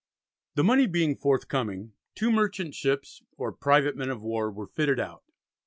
The money being forthcoming, two merchant ships, or "private Men of War" were fitted out.